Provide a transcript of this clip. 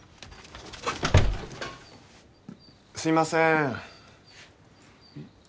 すいません。